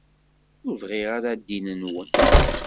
Ur bɣiɣ ara ddin-nwen.